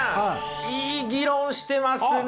いい議論してますね！